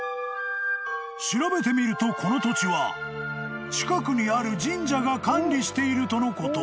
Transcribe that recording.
［調べてみるとこの土地は近くにある神社が管理しているとのこと］